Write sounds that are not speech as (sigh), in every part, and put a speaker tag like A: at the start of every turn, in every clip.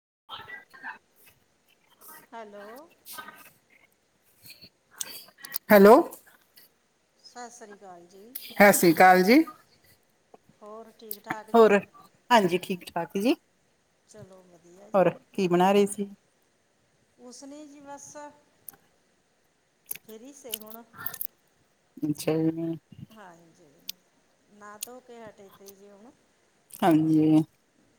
A: (unintelligible)
B: Hello
A: hello,
B: ਸਤਿ ਸ੍ਰੀ ਅਕਾਲ ਜੀ,
A: ਸਤਿ ਸ੍ਰੀ ਅਕਾਲ ਜੀ,
B: ਹੋਰ ਠੀਕ ਠਾਕ ਜੀ
A: ਹੋਰ ਹਾਂਜੀ ਠੀਕ, ਠਾਕ ਜੀ,
B: ਚਲੋ ਵਧੀਆ ਜੀ
A: ਹੋਰ ਕੀ ਬਣਾ ਰਹੇ ਸੀ?
B: ਕੁਸ ਨੀ ਜੀ ਬਸ, ਫੇਰ ਹੀ ਸਹੀ ਹੋਣਾ।
A: ਅੱਛਾ ਜੀ,
B: ਹਾਂਜੀ ਨਾ ਤੋ, ਸੋ ਕੇ ਹਟੇ ਥੇ ਜੀ ਹੁਣ,
A: ਹਾਂਜੀ।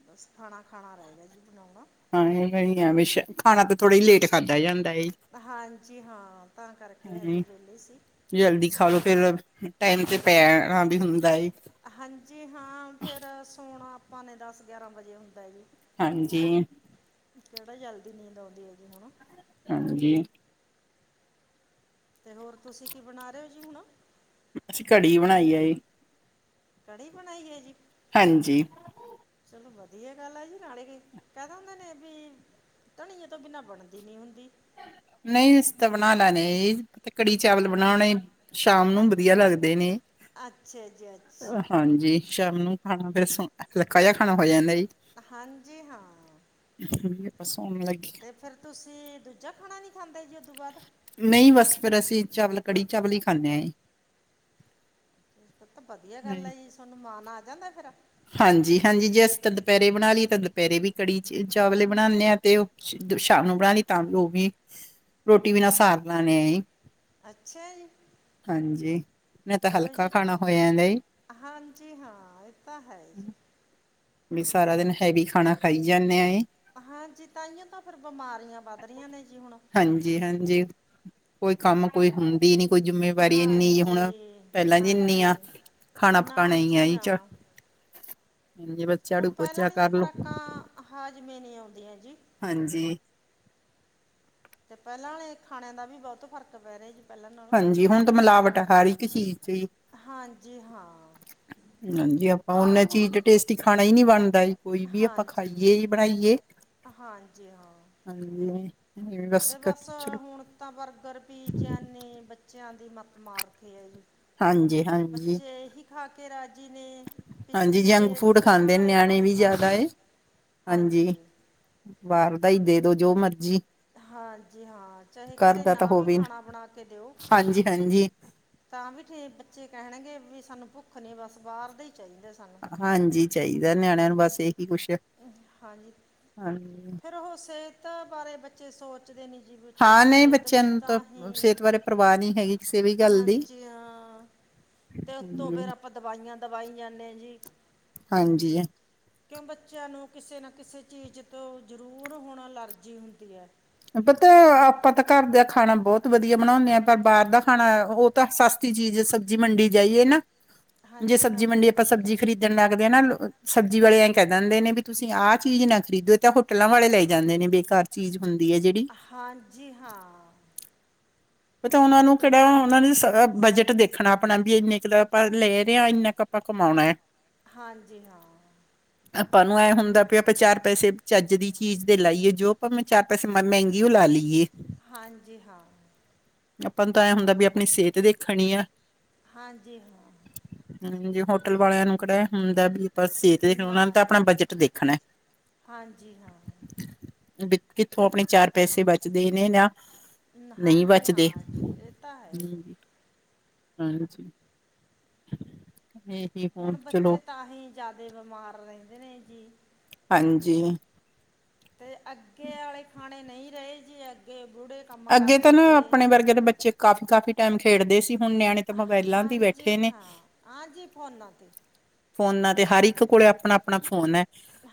B: ਬਸ ਖਾਣਾ ਖਾਣਾ ਰਹਿ ਗਿਆ ਜੀ। ਬਣਾਉਣਾ
A: ਹਾਂ ਏ ਤੇ ਬੇਸ਼ੱਕ ਖਾਣਾ ਤਾਂ ਥੋੜ੍ਹਾ ਲੇਟ ਖਾਧਾ ਜਾਂਦਾ ਜੀ
B: ਹਾਂਜੀ ਹਾਂ ਤਾਂ
A: ਹਾਂ
B: ਕਰਕੇ ਹਜੇ
A: ਜੀ
B: ਵਿਹਲੇ ਸੀ
A: ਜੇ ਜਲਦੀ ਖਾ ਲੋੋ। ਫਿਰ ਟਾਈਮ ਤੇ ਪੈਣਾ ਵੀ ਹੁੰਦਾ ਏ ਜੀ।
B: ਹਾਂਜੀ ਹਾਂ ਫੇਰ ਸੋਣਾ, ਆਪਾ ਨੇ ਦਸ ਗਿਆਰਾਂ ਵਜੇ ਹੁੰਦਾ ਜੀ।
A: ਹਾਂਜੀ,
B: ਕਿਹੜਾ ਜਲਦੀ ਨੀਂਦ ਆਉਦੀ ਐ ਜੀ ਹੁਣ,
A: ਹਾਂਜੀ,
B: ਤੇ ਹੋਰ ਤੁਸੀਂ ਕੀ ਬਣਾ ਰਹੇ ਹੋ ਜੀ ਹੁਣ?
A: ਅਸੀ ਕੜੀ ਬਣਾਈ ਐ ਜੀ।
B: ਕੜੀ ਬਣਾਈ ਹੈ ਜੀ?
A: ਹਾਂਜੀ।
B: ਚਲੋ ਵਧੀਆ ਗੱਲ ਹੈ ਜੀ ਨਾਲੇ ਕਹਿ ਦਿੰਦੇ ਨੇ ਵੀ ਧਨੀਏ ਤੋਂ ਬਿਨਾਂ ਬਣਦੀ ਨਹੀਂ ਹੁੰਦੀ?
A: ਨਹੀ ਜੀ ਅਸੀ ਤਾ ਬਣਾ ਲੇਨੇ ਆ ਜੀ ਕੜੀ ਚਾਹਲ ਬਣਾਣੇ। ਸ਼ਾਮ
B: ਅ
A: ਨੂੰ ਵਧੀਆ ਲੱਗਦੇ ਨੇ,
B: ਅੱਛਾ ਜੀ ਅੱਛਾ
A: ਹਾਂਜੀ ਸ਼ਾਮ ਨੂੰ। ਖਾਣਾ ਬਸ ਹਲਕਾ ਜਿਹਾ ਖਾਣਾ ਹੋ ਜਾਂਦਾ ਜੀ।
B: ਹਾਂਜੀ ਹਾਂ।
A: ਆਪਾਂ ਸੌਣ ਲੱਗੇ।
B: ਤੇ ਫੇਰ ਤੁਸੀਂ ਦੂਜਾ? ਖਾਣਾ ਨਹੀਂ ਖਾਂਦੇ ਜੀ ਉਦੋਂ ਬਾਅਦ
A: ਨਹੀਂ ਬਸ ਫੇਰ ਅਸੀਂ ਚਾਵਲ, ਕੜੀ ਚਾਵਲ ਹੀ ਖਾਂਨੇ ਆ ਜੀ।
B: ਤਾ ਵਧੀਆ ਗੱਲ ਆ ਜੀ ਤੁਹਾਨੂੰ ਮਾਨ ਆ ਜਾਂਦਾ ਫੇਰ?
A: ਹਾਂਜੀ-ਹਾਂਜੀ ਜੇ ਅਸੀਂ ਤਾਂ ਦੁਪਹਿਰੇ ਬਣਾ ਲਈਏ ਤਾਂ ਦੁਪਹਿਰੇ ਵੀ ਕੜੀ ਚ ਚਾਵਲੇ ਬਣਾਨੇ ਆ ਤੇ ਸ਼ਾਮ ਨੂੰ ਬਣਾ ਲਈ ਤਾਂ ਵੀ ਉਹ ਵੀ ਰੋਟੀ ਬਿਨਾਂ ਸਾਰ ਲੇਨੇ ਆ ਜੀ।
B: ਅੱਛਾ ਜੀ,
A: ਹਾਂਜੀ। ਮੈਂ ਤਾਂ
B: ਚਲੋ
A: ਹਲਕਾ
B: ਜੀ
A: ਖਾਣਾ ਹੋ ਜਾਂਦਾ
B: ਹਾਂਜੀ ਹਾਂ ਇਹ ਤਾਂ, ਹੈ
A: ਹੂੰ,
B: ਜੀ
A: ਵੀ ਸਾਰਾ ਦਿਨ ਹੈਵੀ ਖਾਣਾ ਖਾਈ ਜਾਂਨਾ ਏ।
B: ਹਾਂਜੀ ਤਾਂ ਹੀਓ ਤਾਂ ਫਿਰ ਬਿਮਾਰੀਆਂ ਵੱਧ ਰਹੀਆਂ ਨੇ ਜੀ ਹੁਣ।
A: ਹਾਂਜੀ ਹਾਂਜੀ ਕੋਈ ਕੰਮ ਕੋਈ ਹੁੰਦੀ ਨੀ। ਕੋਈ ਜਿੰਮੇਵਾਰੀ ਇੰਨੀ ਹੁਣ
B: ਹਾਂਜੀ
A: ਪਹਿਲਾਂ ਜਿੰਨੀ
B: ਹਾਂਜੀ
A: ਆ ਖਾਣਾ
B: ਨਾ
A: ਪਕਾਣਾ ਹੀਈ
B: ਜੀ
A: ਆ
B: ਨਾ
A: ਚ। ਹਾਂਜੀ ਬਸ
B: ਹੁਣ
A: ਝਾੜੂ
B: ਪਹਿਲਾਂ
A: ਪੋਚਾ
B: ਵਾਲੀਆਂ
A: ਕਰ ਲੋ
B: ਖੁਰਾਕਾਂ ਹਾਜਮਾ ਨਹੀਂ ਆਉਂਦੀਆਂ
A: ਹਾਂਜੀ।
B: ਪਹਿਲਾਂ ਵਾਲੇ ਖਾਣਿਆਂ ਦਾ ਵੀ ਬਹੁਤ ਫਰਕ ਪੈ ਰਿਹਾ ਪਹਿਲਾਂ ਨਾਲੋਂ
A: ਹਾਂਜੀ ਹੁਣ ਤਾਂ ਮਿਲਾਵਟ ਹਰ ਇੱਕ ਚੀਜ਼ ਚ ਹੀ
B: ਹਾਂਜੀ ਹਾਂ
A: ਹਾਂਜੀ ਆਪ ਹੁਨ ਚੀਜ਼ ਤੇ ਟੇਸਟੀ ਖਾਣਾ ਹੀ ਨਹੀਂ ਬਣ। ਦਾ ਹੀ ਕੋਈ ਵੀ ਆਪਾਂ
B: ਹਾਂਜੀ
A: ਖਾਈਏ ਬਣਾਈਏ
B: ਹਾਂਜੀ ਹਾਂ
A: ਹਾਂਜੀ।
B: ਤੇ
A: ਕ-
B: ਬਸ
A: ਚਲੋ
B: ਹੁਣ ਵਰਕਰ ਵੀ ਜਾਨੇ ਬੱਚਿਆਂ ਦੀ ਮੱਤ ਮਾਰ ਰੱਖੀ‌‌ ਏ।
A: ਹਾਂਜੀ -ਹਾਂਜੀ
B: ਖਾ ਕੇ ਨੇ
A: ਹਾਂਜੀ ਜੰਕ
B: ਪਿਛਲੇ
A: ਫੂਡ
B: ਬੁੜਿਆਂ
A: ਖਾਂਦੇ ਨੇ
B: ਵਾਲੇ
A: ਨਿਆਣੇ
B: ਖਾਣੇ
A: ਵੀ ਜ਼ਿਆਦਾ
B: ਖਾਂਦੇ ਨਹੀਂ
A: ਹਾਂਜੀ ਬਾਹਰ ਦਾ ਹੀ ਦੇ ਦੋ। ਜੋ ਮਰਜੀ
B: ਹਾਂਜੀ ਹਾਂ ਚਾਹੇ
A: ਘਰ
B: ਘਰੇ
A: ਦਾ ਤਾਂ
B: ਨਾ ਵੀ
A: ਹੋਵੇ
B: ਖਾਣਾ ਬਣਾ ਕੇ ਦਿਓ
A: ਹਾਂਜੀ ਹਾਂਜੀ
B: ਤਾਂ ਵੀ ਫਿਰ ਬੱਚੇ ਕਹਿਣਗੇ ਵੀ ਸਾਨੂੰ ਭੁ, ਰੱਖ ਨੇ ਬਸ, ਬਾਹਰ ਦੇ ਹੀ ਚਾਹੀਦਾ ਸਾਨੂੰ
A: ਹਾਂਜੀ, ਚਾਹੀਦਾ ਨਿਆਣਿਆਂ ਨੂੰ ਬਸ ਇਹੀ ਕੁਛ
B: ਹਾਂਜੀ।
A: ਹਾਂਜੀ
B: ਫਿਰ ਉਹ ਸਿਹਤ ਬਾਰੇ ਚੇ ਸੋ ਚਦੇ ਨੀ ਜੀ। ਬੱਚਿਆਂ
A: ਹਾਂ
B: ਦੀ
A: ਨਹੀਂ
B: ਸਿਹਤ
A: ਬੱਚਿਆਂ
B: ਵੀ
A: ਨੂੰ
B: ਤਾਂ ਹੀ,
A: ਸਿਹਤ ਬਾਰੇ ਪਰਵਾਹ ਨਹੀਂ ਹੈਗੀ ਕਿਸੇ ਵੀ ਗੱਲ ਦੀ
B: ਹਾਂਜੀ, ਹਾਂ, ਤੇ ਉਤੋਂ
A: ਹਾਂਜੀ
B: ਫਿਰ ਆਪਾਂ ਦਵਾਈਆਂ ਦਵਾਈ ਜਾਂਨੇ ਆ ਜੀ
A: ਹਾਂਜੀ।
B: ਕਿਉਂ ਬੱਚਿਆਂ ਨੂੰ ਕਿਸੇ ਨਾ ਕਿਸੇ ਚੀਜ਼ ਤੋਂ ਜ਼ਰੂਰ ਹੁਣ ਅਲਰਜੀ ਹੁੰਦੀ ਏ।
A: ਪਤਾ, ਆਪਾਂ ਤਾਂ ਘਰ ਦਾ ਖਾਣਾ ਬਹੁਤ ਵਧੀਆ ਬਣਾਉਂਦੇ ਆ। ਪਰ ਬਾਹਰ ਦਾ ਖਾਣਾ ਉਹ ਤਾਂ ਸਸਤੀ ਚੀਜ਼ ਸਬਜ਼ੀ ਮੰਡੀ ਜਾਈਏ ਨਾ ਜੇ
B: ਹਾਂਜੀ
A: ਸਬਜ਼ੀ
B: ਹਾਂ
A: ਮੰਡੀ ਆਪਾਂ ਸਬਜੀ ਖਰੀਦਣ ਲੱਗ ਕਦੇ ਨਾ ਸਬਜ਼ੀ ਵਾਲੇ ਐ ਕਹਿ ਦਿੰਦੇ ਨੇ ਵੀ ਤੁਸੀਂ ਆਹ ਚੀਜ਼ ਨਾ ਖਰੀਦੋ, ਤਾਂ ਹੋਟਲਾਂ ਵਾਲੇ ਲਈ ਜਾਂਦੇ ਨੇ ਬੇਕਾਰ ਚੀਜ਼ ਹੁੰਦੀ ਹੈ ਜਿਹੜੀ
B: ਹਾਂਜੀ, ਹਾਂ।
A: ਪਤਾ ਉਹਨਾਂ ਨੂੰ
B: ਹੁਣ
A: ਕਿਹੜਾ ਉਹਨਾਂ ਨੇ ਸ ਬਜਟ ਟ ਦੇਖਣਾ, ਆਪਣਾ ਵੀ ਇੰਨੇ ਕੁ ਤਾਂ ਆਪਾਂ ਲੇ ਰਹੇ ਆ, ਇੰਨਾ ਕੁ ਆਪਾਂ ਕਮਾਉਣਾ ਏ।
B: ਹਾਂਜੀ, ਹਾਂ।
A: ਆਪਾਂ ਨੂੰ ਇਹ ਹੁੰਦਾ ਪ ਆਪਾਂ ਚਾਰ ਪੈਸੇ ਚੱਜ ਦੀ ਚੀਜ਼ ਦੇ ਲਾਈਏ, ਜੋ ਆਪਾਂ ਮੈਂ ਚਾਰ ਪੈਸੇ ਮ ਮਹਿੰਗੀ ਉਹ ਲਾ ਲਈਏ
B: ਹਾਂਜੀ, ਹਾਂ।
A: ਆਪਾਂ ਨੂੰ ਤਾਂ ਐ ਹੁੰਦਾ ਵੀ ਆਪਣੀ ਸਿਹਤ ਦੇਖਣੀ ਆ।
B: ਹਾਂਜੀ
A: ਹਾਂਜੀ, ਹੋਟਲ ਵਾਲਿਆਂ ਨੂੰ ਕਿਹੜਾ ਹੁੰਦਾ ਵੀ (unintelligible) ਉਹਨਾਂ ਨੇ
B: ਨਾ
A: ਤਾਂ ਆਪਣਾ
B: ਜੀ
A: ਬਜਟ ਦੇਖਣਾ।
B: ਹਾਂਜੀ ਹਾਂ
A: ਵੀ ਕਿੱਥੋਂ
B: ਅਤੇ
A: ਆਪਣੇ ਚਾਰ ਪੈਸੇ ਬਚ- ਚ ਦੇਣੇ ਨਾ
B: ਹਾਂਜੀ।
A: ਚਦੇ।
B: ਹਾਂ ਇਹ ਤਾਂ ਹੈ ਹੀ।
A: ਹੂੰ। ਹਾਂਜੀ। (inaudible)
B: ਹੁਣ ਬੱਚੇ ਤਾਂਹੀ ਜ਼ਿਆਦੇ ਬਿਮਾਰ ਰਹਿੰਦੇ ਨੇ ਜੀ।
A: ਹਾਂਜੀ।
B: ਤੇ ਅੱਗੇ ਆਲੇ ਖਾਣੇ ਨਹੀਂ ਰਹੇ ਜੀ। ਅੱਗੇ ਬੁੜੇ ਕੰਮ
A: ਅੱਗੇ ਤਾਂ
B: ਕਰਦੇ
A: ਨਾ,
B: ਤੇ
A: ਆਪਣੇ ਵਰਗੇ ਦੇ ਬੱਚੇ ਕਾਫੀ-ਕਾਫੀ ਟੈਮ ਖੇਡਦੇ ਸੀ। ਹੁਣ ਨਿਆਣੇ ਤਾਂ ਮੋਬਾਇਲਾਂ ਤੇ
B: ਹਾਂਜੀ,
A: ਬੈਠੇ ਨੇ।
B: ਹਾਂ। ਹਾਂਜੀ, ਫੋਨਾਂ ਤੇ।
A: ਫੋਨਾਂ ਤੇ। ਹਰ ਇੱਕ ਕੋਲੇ ਆਪਣਾ ਆਪਣਾ ਫੋਨ ਹੈ।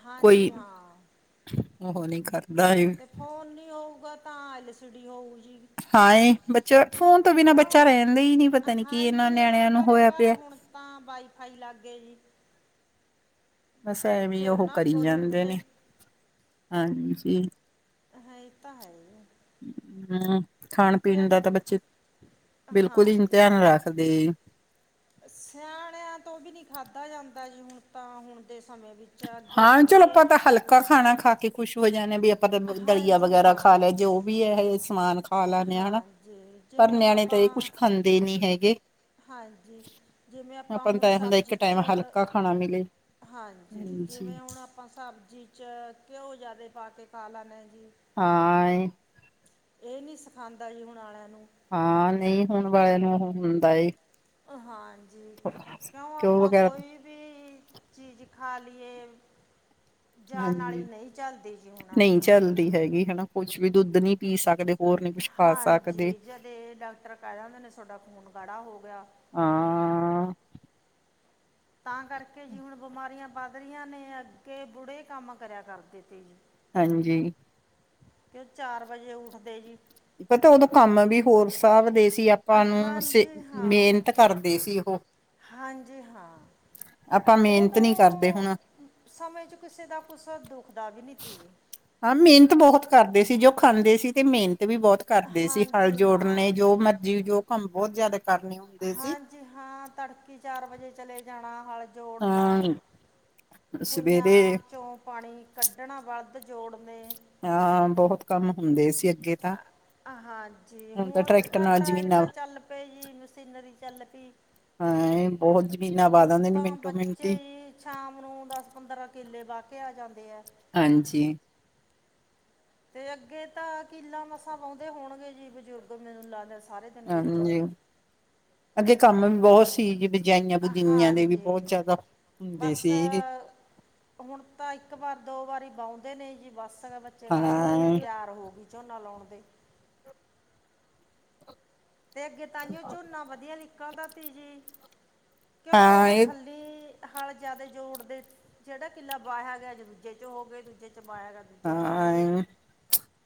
B: ਹਾਂਜੀ, ਹਾਂ।
A: ਉਹਨੇ ਕਰ
B: ਤੇ ਫੋਨ ਨੀ ਹੋਊਗਾ ਤਾਂ ਐਲ ਸੜੀ ਹੋਊ। ਜੀ
A: ਹਾਂ ਏ ਬੱਚਾ। ਫੋਨ ਤੋਂ ਬਿਨਾਂ ਬੱਚਾ
B: ਤਾਂ
A: ਰਹਿੰਦਾ ਹੀ ਨੀ ਪਤਾ ਨੀ ਕਿ ਇਹਨਾਂ
B: ਹਾਂਜੀ ਹਾਂ
A: ਨਿਆਣਿਆਂ ਨੂੰ
B: ਘਰੇ
A: ਹੋਇਆ ਪਿਆ
B: ਘਰ
A: ਹੈ?
B: ਹੁਣ ਤਾਂ ਵਾਈਫਾਈ ਲੱਗ ਗਏ ਜੀ
A: ਬਸ
B: ਬੱਚੇ
A: ਐਵੇਂ ਉਹ
B: ਉਹਨਾਂ
A: ਕਰੀ
B: ਅੱਗੋਂ ਨਹੀਂ
A: ਜਾਂਦੇ
B: ਉੱਠਦੇ
A: ਨੇ ਹਾਂਜੀ। ਜੀ।
B: ਹੈ ਇਹ ਤਾਂ ਹੈਗਾ।
A: ਹੂੰ।
B: ਤੇ
A: ਬਿਲਕੁਲ ਹੀ
B: ਹਾਂਜੀ
A: ਧਿਆਨ ਰੱਖਦੇ
B: ਸਿਆਣਿਆਂ ਤੋਂ ਵੀ ਨੀ ਖਾਧਾ ਜਾਂਦਾ। ਜੀ ਹੁਣ ਤਾਂ ਹੁਣ। ਦੇ ਸਮੇਂ ਵਿੱਚ ਅੱਗੇ
A: ਹਾਂ ਚਲੋ ਆਪਾਂ
B: ਬੁੜੇ
A: ਤਾਂ ਹਲਕਾ ਖਾਣਾ ਖਾ ਕੇ ਖੁਸ਼। ਹੋ ਜਾਣੇ ਹਾਂ ਵੀ। ਕਦੇ ਕੁਝ ਦਲੀਆ
B: ਹਾਂਜੀ
A: ਵਗੈਰਾ ਖਾ ਲਿਆ
B: ਹਾਂ
A: ਜੋ ਵੀ ਇਹ ਹੈ ਸਮਾਨ। ਖਾ ਲਾਣੇ ਹਾ ਹਨਾ
B: ਹਾਂਜੀ
A: ਪਰ
B: ਜਿਵੇਂ ਹੁਣ
A: ਨਿਆਣੇ ਤਾਂ ਇਹ
B: ਆਪਾਂ
A: ਕੁਛ ਖਾਂਦੇ ਨੀ ਹੈਗੇ
B: ਹਾਂਜੀ ਜਿਵੇਂ
A: ਆਪਾਂ
B: ਹੁਣ
A: ਤਾਂ ਇਹ ਹੁੰਦਾ ਇੱਕ
B: ਸਬਜ਼ੀ 'ਚ
A: ਟਾਈਮ ਹਲਕਾ ਖਾਣਾ ਮਿਲੇ। ਹਾਂਜੀ
B: ਜਿਵੇਂ ਹੁਣ ਆਪਾਂ ਸਬਜ਼ੀ 'ਚ? ਘਿਓ ਜ਼ਿਆਦੇ ਪਾ ਕੇ ਖਾ ਲੈਣੇ ਆ।
A: ਹਾਂ ਹਾਏ।
B: ਇਹ ਨੀ ਸਿਖਾਉਦਾ ਜੀ ਹੁਣ ਵਾਲਿਆਂ ਨੂੰ।
A: ਹਾਂ ਨਹੀਂ ਹੁਣ ਵਾਲਿਆਂ ਨੂੰ ਉਹ ਹੁੰਦਾ ਹੈ।
B: ਹਾਂਜੀ ਕਿਉਂ
A: ਘਿਓ
B: ਆਪਾਂ
A: ਵਗੈਰਾ
B: ਕੋਈ ਵੀ। ਚੀਜ਼ ਖਾ ਲਈਏ। ਜਾਨ
A: ਹਾਂਜੀ
B: ਵਾਲੀ ਨਹੀਂ ਚੱਲਦੀ ਜੀ ਹੁਣ ਵਾਲਿਆਂ
A: ਨਹੀਂ
B: ਤੋਂ
A: ਚੱਲਦੀ ਹੈਗੀ ਹਨਾ। ਕੁੱਝ ਵੀ ਦੁੱਧ ਨਹੀਂ ਪੀ ਸਕਦੇ। ਹੋਰ ਨੀ ਕੁਛ ਖਾ ਸਕਦੇ
B: ਹਾਂਜੀ ਜਦੇ ਡਾਕਟਰ ਕਹਿ ਦਿੰਦੇ ਨੇ ਤੁਹਾਡਾ ਖੂਨ ਗਾੜਾ ਹੋ ਗਿਆ।
A: ਹਾਂ
B: ਤਾਂ ਕਰਕੇ ਜੀ ਹੁਣ ਬਿਮਾਰੀਆਂ ਵੱਧ ਰਹੀਆਂ ਨੇ ਅੱਗੇ ਬੁੜੇ ਕੰਮ ਕਰਿਆ ਕਰਦੇ ਤੀ।
A: ਹਾਂਜੀ।
B: ਤੜਕੇ ਚਾਰ ਵਜੇ ਉੱਠਦੇ ਜੀ।
A: ਪਤਾ ਉਦੋਂ। ਕੰਮ ਵੀ ਹੋਰ ਸਾਭ ਦੇ ਸੀ ਆਪਾਂ ਨੂੰ ਸ
B: ਹਾਂਜੀ ਹਾਂ
A: ਮਿਹਨਤ ਕਰਦੇ ਸੀ। ਉਹ
B: ਹਾਂਜੀ ਹਾਂ
A: ਆਪਾਂ ਮਿਹਨਤ
B: ਉਦੋਂ
A: ਨੀ ਕਰਦੇ ਹੁਣ
B: ਸਮੇਂ 'ਚ ਕਿਸੇ ਦਾ ਕੁਛ ਦੁਖਦਾ ਵੀ ਨਹੀਂ ਤੀ ਜੀ
A: ਹਾਂ ਮਿਹਨਤ ਬਹੁਤ ਕਰਦੇ ਸੀ ਜੋ ਖਾਂਦੇ ਸੀ। ਤੇ ਮੇਨ। ਮਿਹਨਤ ਵੀ ਬਹੁਤ ਕਰਦੇ ਸੀ ਹਲ
B: ਹਾਂਜੀ
A: ਜੋੜਨ
B: ਹਾਂ
A: ਜੋ ਮਰਜੀ ਜੋ ਕੰਮ। ਬਹੁਤ ਜ਼ਿਆਦਾ। ਕਰਨੇ ਹੁੰਦੇ ਸੀ
B: ਹਾਂਜੀ ਹਾਂ ਤੜਕੀ ਚਾਰ ਵਜੇ ਚਲੇ। ਜਾਣਾ ਹਲ। ਜੋੜਨਾ
A: ਤਾਂ
B: ਖੁੱਈਆ
A: ਸਵੇਰੇ
B: ਚੋਂ ਪਾਣੀ ਕੱਢਣਾ। ਤ ਜੋੜ
A: ਹੂੰਦੇ ਸੀ। ਅੱਗੇ ਤਾਂ
B: ਹਾਜੀ, ਹੁਣ
A: ਟਰੈਕਟਰ
B: ਤਾਂ
A: ਨਾਲ
B: ਟਰੈਕਟ
A: ਜ਼ਮੀਨਾਂ
B: ਚੱਲ ਪਏ ਜੀ ਮਸ਼ੀਨਰੀ ਚੱਲ ਪਈ,
A: ਹਾਂ ਬਹੁਤ ਜ਼ਮੀਨਾਂ ਵਾ
B: ਹੁਣ
A: ਦਿੰਦੇ ਨੇ
B: ਤਾਂ
A: ਮਿੰਟੋ
B: ਬੱਚੇ
A: ਮਿੰਟੀ
B: ਜੀ ਸ਼ਾਮ ਨੂੰ ਦਸ ਪੰਦਰਾਂ ਕਿੱਲੇ ਬਾ ਕੇ ਆ ਜਾਂਦੇ ਐ।
A: ਹਾਂਜੀ।
B: ਤੇ ਅੱਗੇ ਤਾਂ ਕਿਲਾ ਮਸਾਂ ਵਾਉਂਦੇ ਹੋਣਗੇ। ਜੀ ਬਜ਼ੁਰਗ ਮੈਨੂੰ ਲਾ ਲੇ ਸ ਸਾਰੇ ਦਿਨ ਵਿੱਚ
A: ਅਗੇ ਕੰਮ ਵੀ ਬਹੌਤ ਸੀ ਜੀ ਬਿ
B: ਅ ਹਾਂਜੀ,
A: ਹੁੰਦੇ
B: ਬਸ
A: ਸੀ
B: ਹੁਣ ਤਾਂ ਇੱਕ ਵਾਰ ਦੋ ਵਾਰੀ ਬਾਉਂਦੇ ਨੇ ਜੀ ਬਸ। ਤਗਾ ਬੱਚੇ ਕੈ ਦਿੰਦੇ ਨੇ
A: ਹਾਂ,
B: ਤਿਆਰ ਹੋ ਗੀ। ਝੋਨਾ ਲੋਣ ਦੇ। ਤੇ ਅੱਗੇ ਤਾਂਹੀਔ ਝੋਨਾ ਵਧੀਆ ਨਿਕਲੱਦਾ ਸੀ ਜੀ।
A: ਹਾਂ ਏ
B: ਹੱਲ ਜਦ ਜੋੜਦੇ ਜੇੜਾ ਕਿੱਲਾ ਬਾਹਿਆ ਗਿਆ ਅੱਜ ਦੂਜੇ ਚੋਂ ਹੋ ਗੇ ਦੂਜੇ ਚ ਦਬਾਇਆ ਗ ਦੂਜੇ ਚ ਹੋ ਗੇ।
A: ਹਾਂ,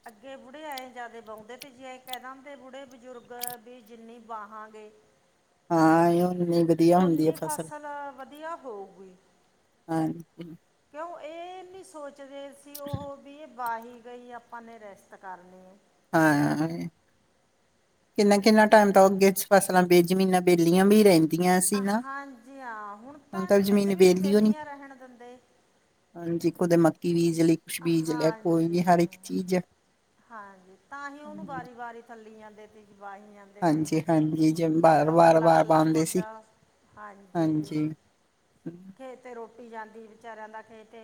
B: ਅੱਗੇ ਬੁੜੇ ਏਂ ਜ਼ਿਆਦੇ ਬਾਉਂਦੇ ਤੇ ਜੇਂ ਕੈ ਦਿੰਦੇ ਬੁੜੇ ਬਜ਼ੁਰਗ ਵੀ ਜਿੰਨੀ ਵਾਹਾਂਗੇ।
A: ਹਾਂ ਏ ਔ। ਇੰਨੀ ਵਧੀਆ ਹੁੰਦੀ ਹੈ ਫਸਲ।
B: ਵਧੀਆ ਹੋਊਗੀ।
A: ਹਾਂਜੀ।
B: ਕਿਓ ਏ ਨੀ ਸੋ ਚਦੇ ਸੀ ਉਹ ਵੀ, ਵਾਹੀ ਗਈ ਆਪਾਂ ਨੇ ਰੇਸਤ ਕਰਨੀ ਏ।
A: ਹਾਂ ਏ, ਕਿੰਨਾ-ਕਿੰਨਾ ਟਾਈਮ ਤਾਂ ਅੱਗੇ ਫਸਲਾਂ ਬੇ ਜਮੀਨਾਂ ਵੇਲੀਆਂ ਵੀ ਰੇ
B: ਅ ਹਾਂਜੀ ਆ ਹੁਣ ਤਾਂ ਜੀ ਬਿੰਦ ਵੀ ਨੀ ਵੇਲੀਆਂ ਰਹਿਣ ਦਿੰਦੇ।
A: ਹਾਂਜੀ ਕਦੇ ਮੱਕੀ ਬੀਜ ਲੀ ਕੁਛ ਬੀਜ ਲਿਆ ਕੋਈ ਵੀ ਹਰ ਇੱਕ
B: ਹਾਂਜੀ
A: ਚੀਜ਼।
B: ਹਾਂਜੀ ਤਾਂ ਹੀ ਓਹਨੂੰ ਵਾਰੀ-ਵਾਰੀ ਥੱਲੀ ਜਾਂਣ ਦੇਦੇ‌। ਵਾਹੀ ਜਾਂਦੇ,
A: ਹਾਂਜੀ-ਹਾਂਜੀ ਜ
B: ਤੇ ਔ
A: ਵਾਰ-ਵਾਰ-ਵਾਰ
B: ਕੱਲਾ-ਕੱਲਾ
A: ਪਾਉਂਦੇ
B: ਖੁੱਡ
A: ਸੀ,
B: ਹਾਂਜੀ, ਖੇਤ ਕਈ ਜਾਂਦੀ ਵਿਚਾਰਿਆਂ ਦਾ ਖੇਤ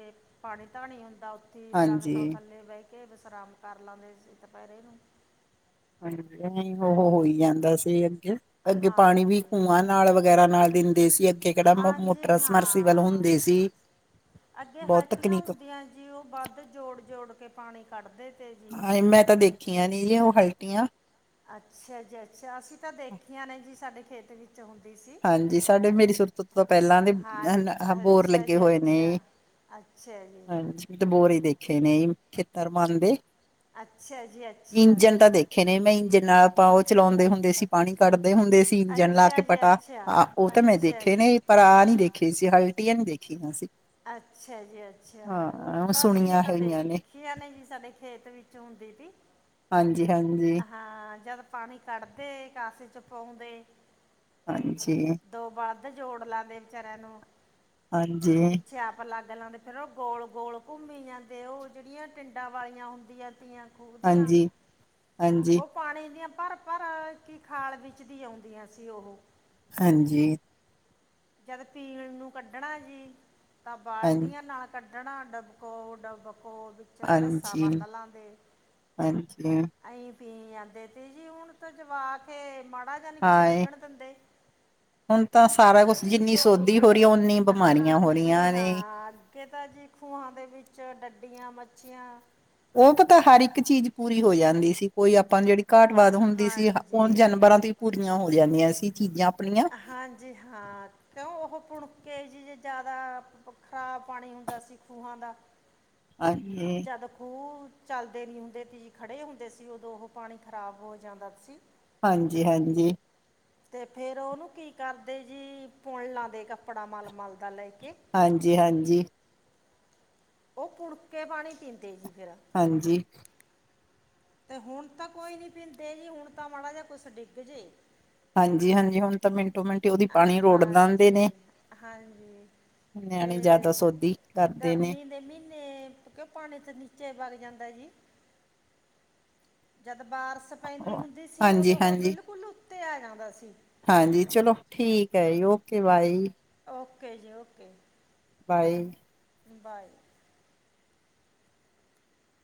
B: ਪਾਣੀ ਧਾਣੀ ਹੁੰਦਾ ਔ ਔਥੀ
A: ਹਾਂਜੀ,
B: ਦਰਖਤਾ ਥੱਲੇ ਬੈ ਕੇ ਵਿਸ਼ਰਾਮ, ਕਰ ਲੇਦੇ ਸੀ ਤਾਂ ਦੁਪਹਿਰੇ ਨੂੰ,
A: ਹਾਂਜੀ ਐ ਉਹ ਹੋ ਹੀ ਜਾਂਦਾ ਸੀ। ਅੱਗੇ ਪਾਣੀ ਵੀ
B: ਹਾਂਜੀ
A: ਖੂਹ ਨਾਲ ਵਗੈਰਾ, ਨਾਲ ਦਿੰਦੇ ਸੀ ਅੱਗੇ ਕਿਹੜਾ
B: ਹਾਂਜੀ
A: ਮੋਟਰ ਸਮਰਸੀਬਲ
B: ਹਾਂ
A: ਹੁੰਦੇ ਸੀ,
B: ਅੱਗੇ
A: ਬਹੁਤ
B: ਹਲਟੀਆਂ
A: ਤਕਨੀਕ
B: ਹੁੰਦੀਆਂ ਜੀ ਉਹ ਵੱਧ ਜੋੜ-ਜੋੜ ਕੇ ਪਾਣੀ ਕੱਢਦੇ, ਤੇ ਜੀ
A: ਹਾਂ ਮੈਂ ਤਾਂ ਦੇਖੀਆਂ ਨੀ ਔ। ਕੁਟੀਆਂ,
B: ਅੱਛਾ ਜੀ ਅੱਛਾ ਅਸੀਂ ਤਾਂ ਦੇਖੀਆਂ ਨੇ ਜੀ ਸਾਡੇ, ਖੇਤ ਵਿੱਚ, ਹੁੰਦੀ ਸੀ
A: ਹਾਂਜੀ ਸਾਡੇ ਮੇਰੀ ਸੁਰਤ ਤੋਂ ਪਹਿਲਾਂ ਦੇ,
B: ਹਾਂ
A: ਬੋਰ
B: ਅੱਛਾ
A: ਲੱਗੇ
B: ਜੀ
A: ਹੋਏ ਨੇ
B: ਅੱਛਾ ਅੱਛਾ ਜੀ
A: ਹਾਂਜੀ ਮੈਂ ਤੇ ਬੋਰ ਹੀ ਦੇਖ ਦੇਖੇ ਨਹੀਂ ਖੇਤਰ ਪਾਦੇ।
B: ਅੱਛਾ ਜੀ ਅੱਛਾ
A: ਇੰਜਣ ਤਾਂ ਦੇਖੇ ਨੇ ਮੈਂ ਇੰਜਣ ਨਾਲ ਆਪਾਂ ਉਹ ਚਲਾਉਂਦੇ, ਹੁੰਦੇ ਸੀ ਪਾਣੀ ਕੱਢਦੇ ਹੁੰਦੇ ਸੀ ਇੰਜਣ ਲਾ
B: ਅੱਛਾ
A: ਕੇ
B: ਜੀ
A: ਪਟਾ।
B: ਅੱਛਾ
A: ਆ ਉਹ ਤਾਂ ਮੈਂ
B: ਅੱਛਾ
A: ਦੇਖੇ
B: ਜੀ
A: ਨੇ ਪਰ ਆਹ ਨਹੀਂ ਦੇਖੇ ਸੀ। ਕੁਟੀਆ ਨੀ ਦੇਖੀ ਅਸੀਂ,
B: ਅੱਛਾ ਜੀ ਅੱਛਾ ਉਹ ਤਾਂ ਅਸੀਂ ਨੇ
A: ਸੁਣੀਆਂ
B: ਤਾਂ
A: ਹੈਗੀਆਂ ਨੇ
B: ਦੇਖੀ ਨੇ ਜੀ ਸਾਡੇ ਖੇਤ ਵਿੱਚ ਹੁੰਦੀ ਸੀ।
A: ਹਾਂਜੀ ਹਾਂਜੀ
B: ਹਾਂ ਜਦ ਪਾਣੀ ਕੱਢਦੇ ਉਹਦੇ ਵਿੱਚ ਪਾਉਂਦੇ।
A: ਹਾਂਜੀ
B: ਦੋ ਵੱਧ ਜੋੜ ਲੈਂਦੇ ਵਿਚਾਰਿਆਂ ਨੂੰ
A: ਹਾਂਜੀ
B: ਪਿੱਛੇ ਆਪਾਂ ਲੱਗ ਜਾਦੇ। ਗੱਲਾਂ ਦੇ ਫਿਰ ਉਹ ਗੋਲ ਗੋਲ ਘੁੰਮੀ ਜਾਂਦੇ ਉਹ ਜਿਹੜੀਆਂ ਟਿੰਡਾਂ ਵਾਲੀਆਂ ਹੁੰਦੀਆਂ ਤੀਆਂ ਖੂਹੀਆਂ
A: ਹਾਂਜੀ ਹਾਂਜੀ
B: ਉਹ ਪਾਣੀ ਦੀਆਂ ਭਰ ਭਰ ਕੀ ਖਾਲ ਵਿੱਚ ਦੀ ਆਉਂਦੀਆਂ ਸੀ ਉਹ।
A: ਹਾਂਜੀ
B: ਜਦ ਪੀਣ ਨੂੰ ਕੱਢਣਾ ਜੀ ਤਾਂ ਬਾਲਟੀਆਂ
A: ਹਾਂਜੀ
B: ਨਾਲ ਕੱਢਦੇ ਕੱਢਣਾ ਡਬੋ ਡਬੋ। ਕੋਲ ਵਿੱਚ ਰੱਸਾ
A: ਹਾਂਜੀ
B: ਬੰਨ ਲਾਦੇ
A: ਹਾਂਜੀ
B: ਅਸੀਂ ਪੀ ਆਦੇ ਤੇ ਜੀ ਹੁਣ ਤਾਂ ਜਵਾਕ ਮੰਨਦੇ ਨਹੀ।
A: ਹਾਂਏ ਹੁਣ ਤਾਂ ਸਾਰਾ ਕੁਛ ਜਿੰਨੀ ਸੋਧੀ ਹੋ ਰਹੀ ਹੈ ਓਨੀ ਬਿਮਾਰੀਆਂ ਹੋ
B: ਹਾਂਜੀ
A: ਰਹੀਆਂ ਨੇ।
B: ਹਾਂ ਅੱਗੇ ਤਾਂ ਜੀ ਖੂਹਾਂ ਦੇ ਵਿੱਚ ਡਡੂੱ ਹੱਡੀਆਂ ਮੱਛੀਆਂ
A: ਉਹ ਪਤਾ ਹਰ ਇੱਕ ਚੀਜ਼ ਪੂਰੀ ਹੋ ਜਾਂਦੀ ਸੀ ਕੋਈ ਆਪਾਂ ਜਿਹੜੀ ਘਾਟ ਵਾਦ ਹੁੰਦੀ ਸੀ
B: ਹਾਂਜੀ
A: ਉਹ ਜਾਨਵਰਾਂ ਤੇ ਪੂਰੀਆਂ ਹੋ ਜਾਂਦੀਆਂ ਸੀ ਚੀਜ਼ਾਂ ਆਪਣੀਆਂ
B: ਹਾਂਜੀ, ਹਾਂ ਕਿਉਂ ਉਹ ਕੁਡ ਕੇ ਜੀ ਜੇ ਜਿਆਦਾ ਖਰਾਬ ਪਾਣੀ ਹੁੰਦਾ ਸੀ ਖੂਹਾਂ ਦਾ।
A: ਹਾਂਜੀ
B: ਜਦ ਖੂਹ ਚਲਦੇ ਨੀ ਹੁੰਦੇ ਸੀ ਜੀ, ਖੜੇ ਹੁੰਦੇ ਸੀ, ਉਦੋ ਉਹ ਪਾਣੀ ਖਰਾਬ ਹੋ ਜਾਂਦਾ ਸੀ।
A: ਹਾਂਜੀ-ਹਾਂਜੀ
B: ਤੇ ਫੇਰ ਉਹਨੂੰ ਕੀ ਕਰਦੇ ਜੀ? ਪੁਣ ਲੈਂਦੇ ਕੱਪੜਾ ਮਲ ਮਲ ਦਾ ਲੈ ਕੇ।
A: ਹਾਂਜੀ-ਹਾਂਜੀ
B: ਉਹ ਪੁਣ ਕੇ ਪਾਣੀ ਪੀਂਦੇ ਜੀ। ਫਿਰ
A: ਹਾਂਜੀ
B: ਤੇ ਹੁਣ ਤਾਂ ਕੋਈ ਨੀ ਪੀਂਦੇ ਜੀ, ਹੁਣ ਤਾਂ ਮਾੜਾ ਜਿਹਾ ਕੁੱਛ ਡਿੱਗ ਜੇ।
A: ਹਾਂਜੀ-ਹਾਂਜੀ ਹੁਨ ਤੇ ਮਿੰਟ ਹੀ ਉਹਦੀ
B: ਆ
A: ਪਾਣੀ ਰੋੜ ਦਿੰਦੇ ਨੇ
B: ਹਾਂਜੀ-ਹਾਂਜੀ ਤੇ
A: ਨਿਆਣੇ ਜ਼ਿਆਦਾ ਸੋਧੀ ਕਰਦੇ ਨੇ
B: ਗਰਮੀ ਦੇ ਮਹੀਨੇ ਕਿਵੇਂ ਪਾਣੀ ਦੇ ਨੀਚੇ ਵੱਗ ਜਾਂਦੇ ਨੇ (unintelligible) ਜੀ ਜਦ ਬਾਰਿਸ਼ ਪੈਂਦੀ ਹੁੰਦੀ ਸੀ, ਉਹਦੋ
A: ਹਾਂਜੀ
B: ਉਹ
A: ਹਾਂਜੀ
B: ਬਿਲਕੁਲਹੀ ਉੱਤੇ ਆ ਜਾਂਦਾ ਸੀ।
A: ਕੇ ਬਾਈ
B: ਓਕੇ ਜੀ ਓਕੇ।
A: Bye
B: bye